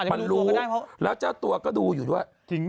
มันรู้แล้วเจ้าตัวก็ดูอยู่ด้วย